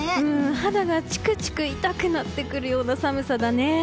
肌がチクチク痛くなってくるような寒さだね。